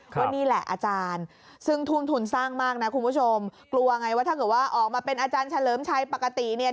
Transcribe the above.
ก็นี่แหละอาจารย์ซึ่งทุ่มทุนสร้างมากนะคุณผู้ชมกลัวไงว่าถ้าเกิดว่าออกมาเป็นอาจารย์เฉลิมชัยปกติเนี่ย